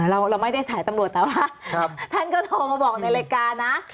เราไม่ได้สายตำรวจแต่ว่าท่านก็โทรมาบอกในรายการนะ